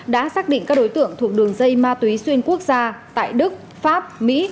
đã xác định các đối tượng thuộc đường dây ma túy xuyên quốc gia tại đức pháp mỹ